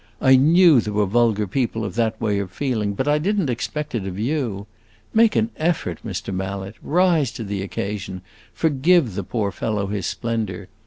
I knew there were vulgar people of that way of feeling, but I did n't expect it of you. Make an effort, Mr. Mallet; rise to the occasion; forgive the poor fellow his splendor.